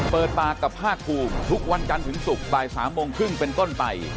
เปิดปากกับภาคภูมิทุกวันจันทร์ถึงศุกร์บ่าย๓โมงครึ่งเป็นต้นไป